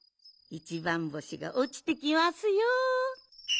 いちばんぼしがおちてきますよ。